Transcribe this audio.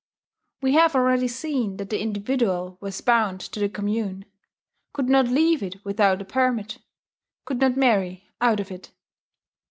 We have already seen that the individual was bound to the commune could not leave it without a permit, could not marry out of it.